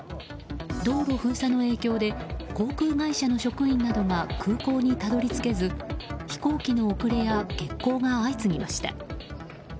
道路封鎖の影響で航空会社の職員などが空港にたどり着けず飛行機の遅れや欠航が相次ぎました。